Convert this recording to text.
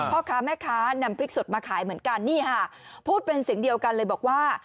พ่อค้าแม่ค้านำพริกสดมาขายเหมือนกันนี่ค่ะพูดเป็นเสียงเดียวกันเลยบอกว่า